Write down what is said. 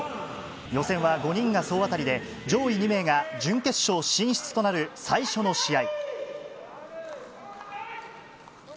予選は、５人が総当たりで上位２名が準決勝進出となる最初の試合。